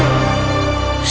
dan apa yang dia minta